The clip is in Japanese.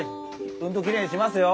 うんときれいにしますよ！